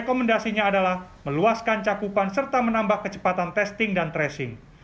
rekomendasinya adalah meluaskan cakupan serta menambah kecepatan testing dan tracing